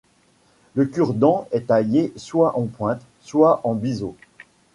Le cure-dent est taillé soit en pointe, soit en biseau.